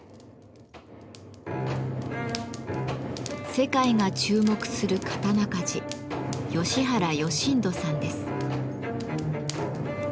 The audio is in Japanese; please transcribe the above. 世界が注目する刀鍛冶吉原義人さんです。